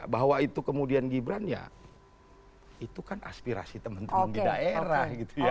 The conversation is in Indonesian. bahwa itu kemudian gibran ya itu kan aspirasi teman teman di daerah gitu ya